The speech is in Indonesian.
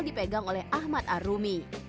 dipegang oleh ahmad arumi